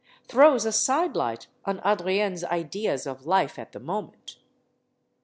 throws a sidelight on Adri enne's ideas of life at the moment.